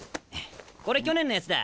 これ去年のやつだ。